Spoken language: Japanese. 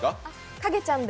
影ちゃんで。